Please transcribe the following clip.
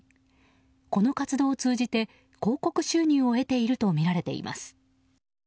この活動を通じて広告収入を得ているとみられます。